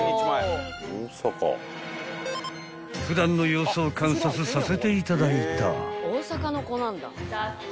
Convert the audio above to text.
［普段の様子を観察させていただいた］